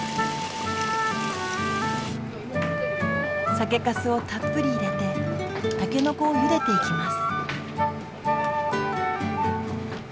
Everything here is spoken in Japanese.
酒かすをたっぷり入れてたけのこをゆでていきます。